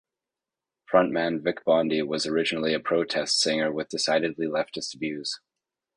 Frontman Vic Bondi was originally a protest singer with decidedly leftist views.